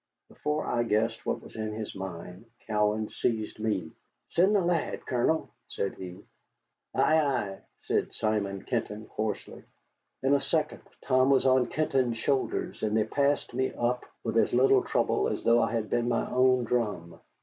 Before I guessed what was in his mind, Cowan seized me. "Send the lad, Colonel," said he. "Ay, ay," said Simon Kenton, hoarsely. In a second Tom was on Kenton's shoulders, and they passed me up with as little trouble as though I had been my own drum.